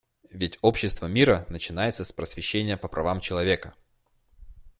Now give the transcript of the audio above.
Ведь общество мира начинается с просвещения по правам человека.